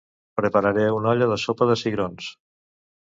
Prepararé una olla de sopa de cigrons